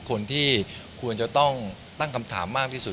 ควรจะต้องตั้งคำถามมากที่สุด